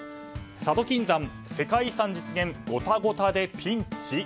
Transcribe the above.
佐渡金山、世界遺産実現ゴタゴタでピンチ。